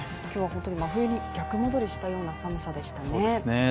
今日は本当に真冬に逆戻りしたような寒さでしたね。